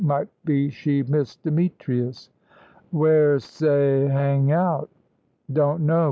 Might be she missed Demetrius." "Wheresey hang out?" "Don't know.